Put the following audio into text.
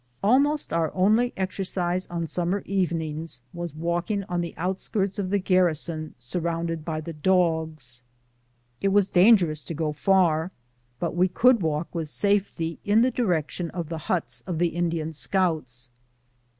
235 Almost onr only exercise on summer evenings was walking on the outskirts of the garrison surrounded by the dogs. It was dangerous to go far, but we could walk with safety in the direction of the huts of tlie Indian scouts.